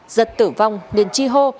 giật tử vong nên chi hô